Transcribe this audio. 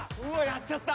やっちゃった。